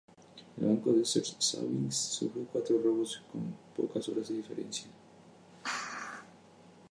El banco Desert Savings sufre cuatro robos con pocas horas de diferencia.